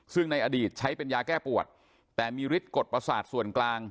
ซึ่งในอดีตใช้เป็นยาแก้ปวดแต่มีฤทธิกฎประสาทส่วนกลาง